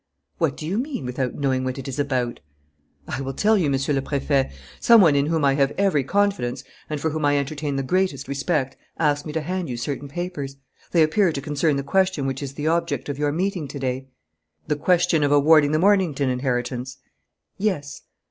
"What do you mean? Without knowing what it is about?" "I will tell you, Monsieur le Préfet. Some one in whom I have every confidence and for whom I entertain the greatest respect asked me to hand you certain papers. They appear to concern the question which is the object of your meeting to day." "The question of awarding the Mornington inheritance?" "Yes."